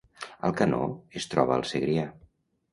Alcanó es troba al Segrià